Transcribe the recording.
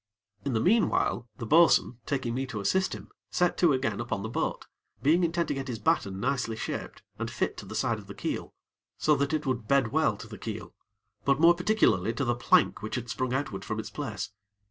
In the meanwhile, the bo'sun, taking me to assist him, set to again upon the boat, being intent to get his batten nicely shaped and fit to the side of the keel, so that it would bed well to the keel, but more particularly to the plank which had sprung outward from its place.